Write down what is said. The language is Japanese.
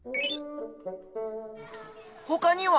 ほかには？